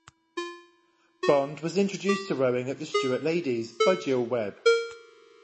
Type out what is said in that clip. Bond was introduced to rowing at the Stuart Ladies by Gill Webb.